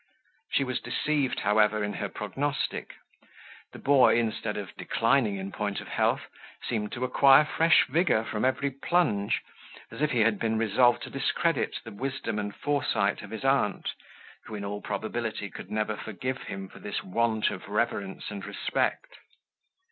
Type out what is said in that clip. She was deceived, however, in her prognostic. The boy, instead of declining in point of health, seemed to acquire fresh vigour from every plunge, as if he had been resolved to discredit the wisdom and foresight of his aunt, who in all probability could never forgive him for this want of reverence and respect.